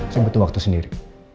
sumpah waktu sendiri